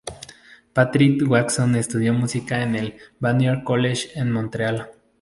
Patrick Watson estudió música en el Vanier College en Montreal.